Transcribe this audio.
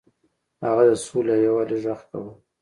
هغه د سولې او یووالي غږ کاوه.